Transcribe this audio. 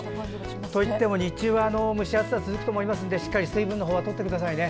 といっても日中は蒸し暑さが続くと思いますのでしっかり水分の方はとってくださいね。